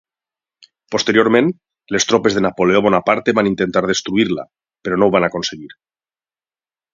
Posteriorment, les tropes de Napoleó Bonaparte van intentar destruir-la, però no ho van aconseguir.